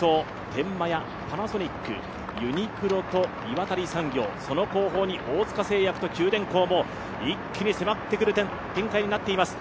天満屋、パナソニック、ユニクロと岩谷産業、その後方に大塚製薬と九電工も一気に迫ってくる展開になっています。